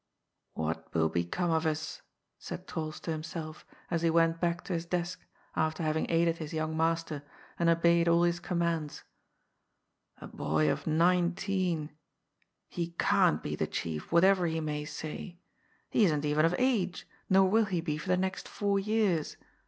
" What will become of us? " said Trols to himself, as he went back to his desk, after haying aided his young master and obeyed all his commands. " A boy of nineteen ! He can't be the chief, whatever he may say. He isn't even of age, nor will he be for the next four years.